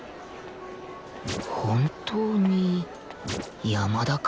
本当に山田か？